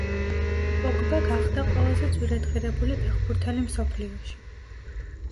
პოგბა გახდა ყველაზე ძვირადღირებული ფეხბურთელი მსოფლიოში.